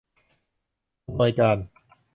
อำนวยการ